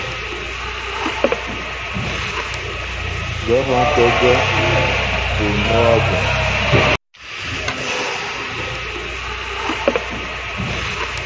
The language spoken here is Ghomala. Gaə̂ hə́ŋtə́ gaə̂ po nɔ́ a guŋ ?